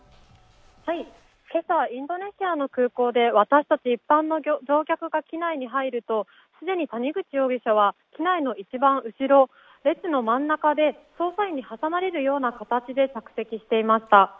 今朝インドネシアの空港で私たち、一般の乗客が機内に入ると既に谷口容疑者は機内の一番後ろ、列の真ん中で捜査員に挟まれるような形で着席していました。